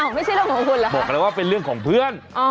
ไม่ใช่เรื่องของคุณเหรอคะบอกเลยว่าเป็นเรื่องของเพื่อน